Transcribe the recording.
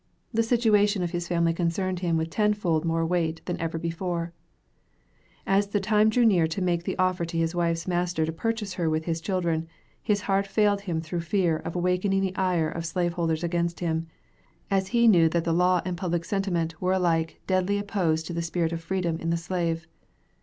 The situation of his family concerned him with tenfold more weight than ever before, As the time drew near to make the offer to his wife's master to purchase her with his children, his heart failed him through fear of awakening the ire of slaveholders against him, as he knew that the law and public sentiment were alike deadly opposed to the spirit of freedom in the slave.